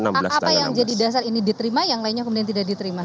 hak apa yang jadi dasar ini diterima yang lainnya kemudian tidak diterima